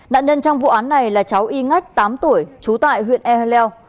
đạn nhân trong vụ án này là cháu y ngách tám tuổi trú tại huyện ehleu